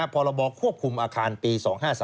พรบควบคุมอาคารปี๒๕๓